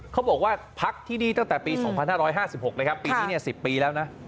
เขาบอกว่าพักที่นี่ตั้งแต่ปี๒๕๕๖นะครับปีนี้๑๐ปีแล้วนะ